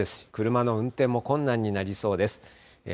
車の運転も困難になりそうです。